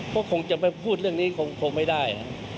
พวกคงจะพูดเรื่องนี้หงคงไม่ได้